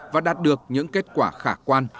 và đạt được những kết quả khả quan